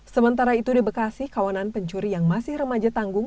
sementara itu di bekasi kawanan pencuri yang masih remaja tanggung